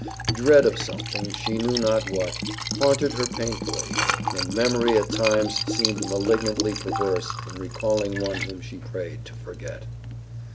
Dread of something, she knew not what, haunted her painfully, and memory at times seemed malignantly perverse in recalling one whom she prayed to forget.